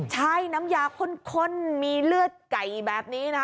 ใช่น้ำยาข้นมีเลือดไก่แบบนี้นะ